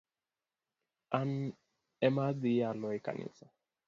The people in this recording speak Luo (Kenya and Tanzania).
An ema adhii yalo e kanisa